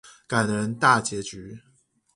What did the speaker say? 感人大結局